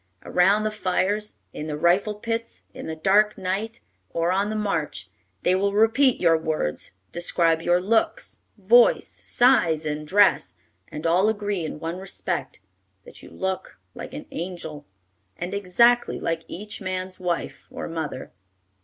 Around the fires, in the rifle pits, in the dark night, or on the march, they will repeat your words, describe your looks, voice, size, and dress; and all agree in one respect, that you look like an angel, and exactly like each man's wife or mother.